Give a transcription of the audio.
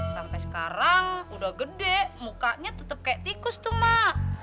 sampai sekarang udah gede mukanya tetap kayak tikus tuh mak